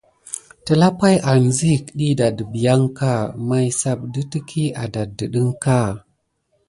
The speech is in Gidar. Telapay anziyek diɗɑ dəbiyanka may sap də teky adaddəɗ əŋka.